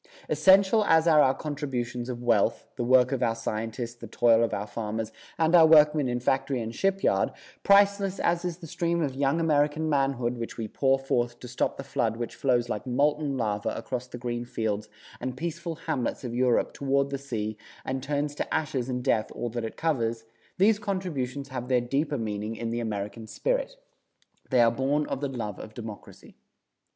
Essential as are our contributions of wealth, the work of our scientists, the toil of our farmers and our workmen in factory and shipyard, priceless as is the stream of young American manhood which we pour forth to stop the flood which flows like moulten lava across the green fields and peaceful hamlets of Europe toward the sea and turns to ashes and death all that it covers, these contributions have their deeper meaning in the American spirit. They are born of the love of Democracy.